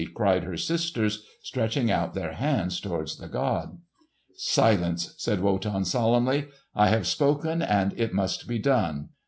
cried her sisters stretching out their hands toward the god. "Silence!" said Wotan solemnly. "I have spoken, and it must be done.